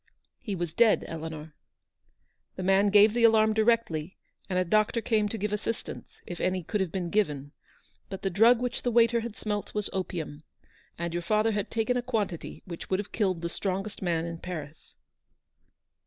He was dead, Eleanor. The man gave the alarm directly, and a doctor came to give assistance, if any could have been given ; but the drug which the waiter had smelt was opium, and your father had taken a quantity which would have killed the strongest man in Paris."